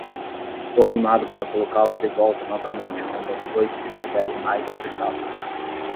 Estou animado para colocá-lo de volta novamente quando as coisas estiverem mais acertadas.